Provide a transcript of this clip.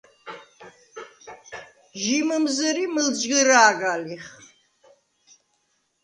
ჟი მჷმზჷრი მჷლჯგჷრა̄გა ლიხ.